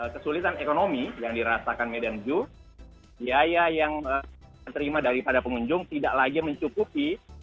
kesulitan ekonomi yang dirasakan medan zoo biaya yang diterima daripada pengunjung tidak lagi mencukupi